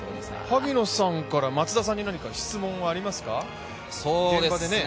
萩野さんから松田さんに何か質問はありますか？